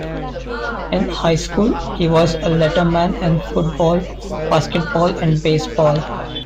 In high school, he was a letterman in football, basketball, and baseball.